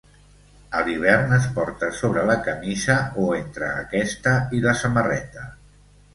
A l'hivern es porta sobre la camisa o entre aquesta i la samarreta.